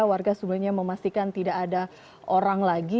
warga sebenarnya memastikan tidak ada orang lagi